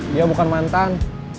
dia bukan mantan